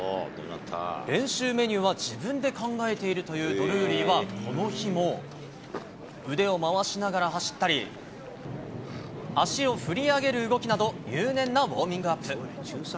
練習メニューは自分で考えているというドルーリーは、この日も、腕を回しながら走ったり、足を振り上げる動きなど、入念なウォーミングアップ。